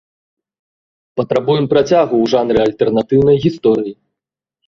Патрабуем працягу ў жанры альтэрнатыўнай гісторыі!